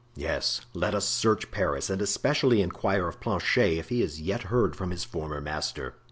"Yes, let us search Paris and especially inquire of Planchet if he has yet heard from his former master."